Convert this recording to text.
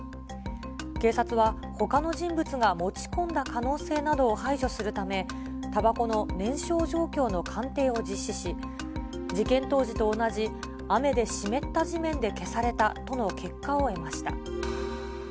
警察はほかの人物が持ち込んだ可能性などを排除するため、たばこの燃焼状況の鑑定を実施し、事件当時と同じ、雨で湿った地面で消されたとの結果を得ました。